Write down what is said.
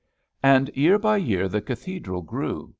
And year by year the Cathedral grew.